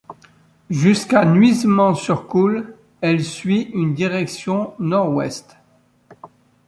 Jusqu'à Nuisement-sur-Coole, elle suit une direction nord-ouest.